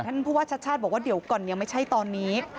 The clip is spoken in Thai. แต่ท่านผู้ว่าชัดบอกว่าเดี๋ยวก่อนยังไม่ใช่ตอนนี้